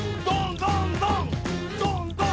どんどんどん！